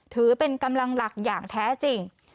ถือเป็นกำลังหลักอย่างแท้จริง